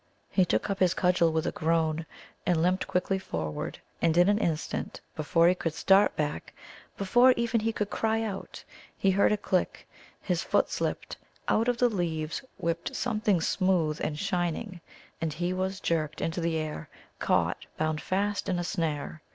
He took up his cudgel with a groan, and limped quickly forward, and in an instant before he could start back, before even he could cry out, he heard a click, his foot slipped, out of the leaves whipped something smooth and shining, and he was jerked into the air, caught, bound fast in a snare.